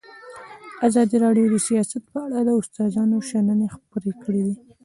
ازادي راډیو د سیاست په اړه د استادانو شننې خپرې کړي.